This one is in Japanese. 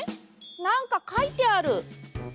なんかかいてある！